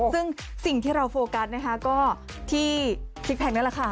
ซึ่งสิ่งที่เราโฟกัสนะคะก็ที่ซิกแพคนั่นแหละค่ะ